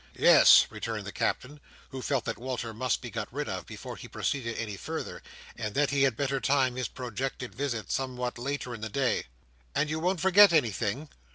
"Yes," returned the Captain, who felt that Walter must be got rid of before he proceeded any further, and that he had better time his projected visit somewhat later in the day. "And you won't forget anything?"